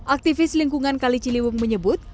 aktivis lingkungan kaliciliwung menyebut